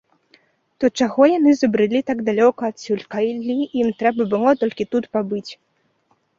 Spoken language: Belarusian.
То чаго яны забрылі так далёка адсюль, калі ім трэба было толькі тут пабыць?